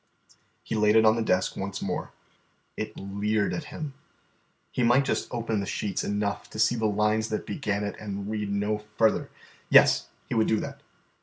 He laid it on the desk once more. It leered at him. He might just open the sheets enough to see the lines that began it, and read no further. Yes, he would do that.